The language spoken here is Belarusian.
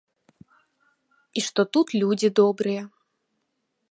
І што тут людзі добрыя.